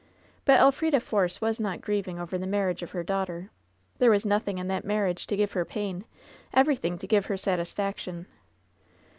But Elf rida Force was not grieving over the marriage of her daughter. There was nothing in that marriage to give her pain ; everything to give her satisfaction.